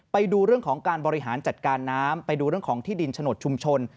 ไปดูเรื่องของที่ดินฉนดชุมชน